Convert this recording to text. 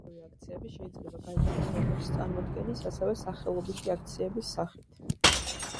ჩვეულებრივი აქციები შეიძლება გაიცეს როგორც წარმოდგენის, ასევე სახელობითი აქციების სახით.